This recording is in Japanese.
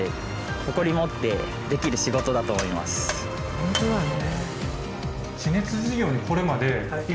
本当だよね。